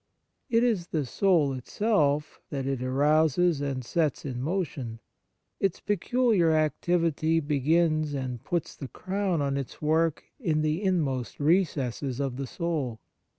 It is the soul itself that it arouses and sets in motion. Its peculiar activity begins and puts the crown on its work in the inmost recesses of the soul.